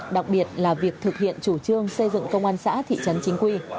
đặc biệt là việc thực hiện chủ trương xây dựng công an xã thị trấn chính quy